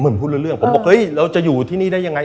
เหมือนพี่รู้เรื่องผมบอกเราจะอยู่ที่นี่ได้ยังไง